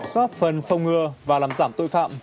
góp phần phong ngừa và làm giảm tội phạm